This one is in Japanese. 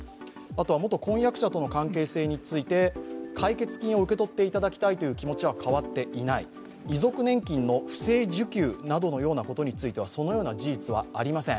元婚約者との関係性について解決金を受け取っていただきたいという気持ちは変わっていない、遺族年金の不正受給などのようなことについてはそのような事実はありません。